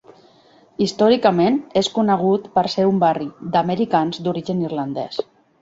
Històricament, és conegut per ser un barri d'americans d'origen irlandès.